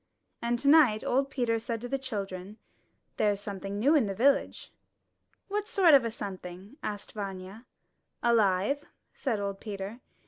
And tonight old Peter said to the children, ^^There's something new in the village.'' *'What sort of a something?'* asked Vanya. ''Alive," said old Peter.